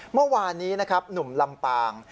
เมื่อวานนี้นะครับหนุ่มลำปาง